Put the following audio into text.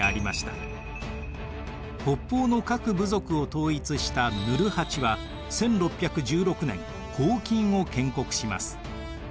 北方の各部族を統一したヌルハチは１６１６年後金を建国します。